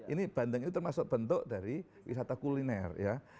ini bandeng ini termasuk bentuk dari wisata kuliner